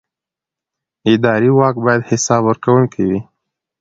اداري واک باید حساب ورکوونکی وي.